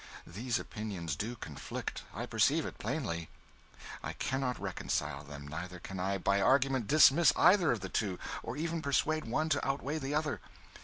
These opinions do conflict, I perceive it plainly; I cannot reconcile them, neither can I, by argument, dismiss either of the two, or even persuade one to outweigh the other.